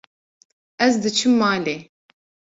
Ez diçim malê.